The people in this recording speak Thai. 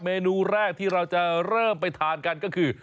เมนูแรกที่เราจะเริ่มไปทานกันก็คือ